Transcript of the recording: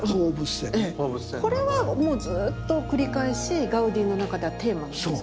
これはもうずっと繰り返しガウディの中ではテーマなんですか？